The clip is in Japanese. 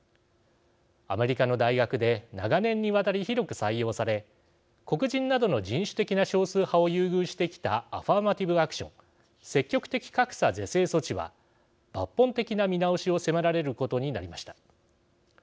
アメリカの大学で長年にわたり広く採用され黒人などの人種的な少数派を優遇してきたアファーマティブ・アクション＝積極的格差是正措置は抜本的な見直しを迫られることになりました。